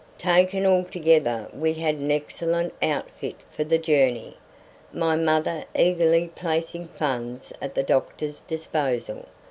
Taken altogether we had an excellent outfit for the journey, my mother eagerly placing funds at the doctor's disposal.